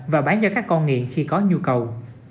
và bán cho các con nghiện khi có nhu cầu